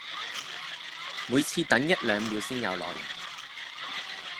每次等一兩秒先有內容